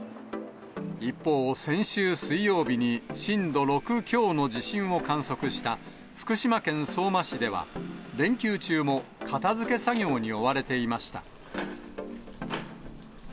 一方、先週水曜日に、震度６強の地震を観測した福島県相馬市では、連休中も、片づけ作業に追われていました。